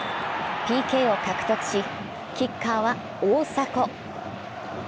ＰＫを獲得し、キッカーは大迫。